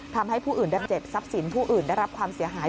ทำให้ผู้อื่นดำเจ็บทรัพย์สินผู้อื่นได้รับความเสียหาย